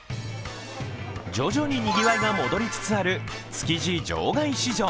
徐々ににぎわいが戻りつつある築地場外市場。